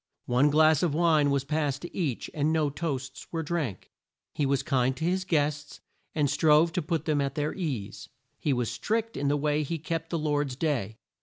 One glass of wine was passed to each, and no toasts were drank. He was kind to his guests and strove to put them at their ease. He was strict in the way he kept the Lord's day.